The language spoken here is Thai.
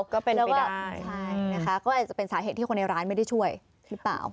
ก็เป็นไปได้นะคะก็อาจจะเป็นสาเหตุที่คนในร้านไม่ได้ช่วยหรือเปล่า